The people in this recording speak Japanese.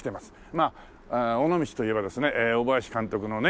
まあ尾道といえばですね大林監督のね